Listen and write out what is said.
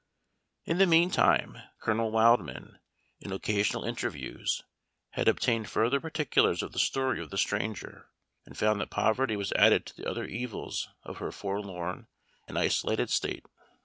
In the mean time, Colonel Wildman, in occasional interviews, had obtained further particulars of the story of the stranger, and found that poverty was added to the other evils of her forlorn and isolated state.